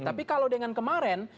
tapi kalau dengan kemarin